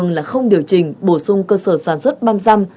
đừng là không điều chỉnh bổ sung cơ sở sản xuất băm răm